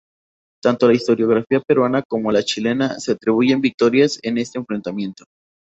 Tanto la historiografía peruana como la chilena se atribuyen victorias en este enfrentamiento.